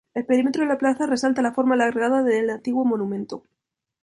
El perímetro de la plaza resalta la forma alargada del antiguo monumento.